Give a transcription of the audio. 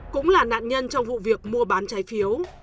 cũng là nạn nhân trong vụ việc mua bán trái phiếu